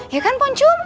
ya kan poncung